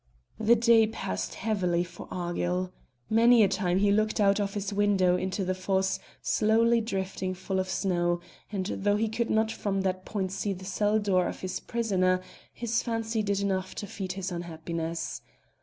The day passed heavily for Argyll. Many a time he looked out of his window into the fosse slow drifting full of snow; and though he could not from that point see the cell door of his prisoner, his fancy did enough to feed his unhappiness.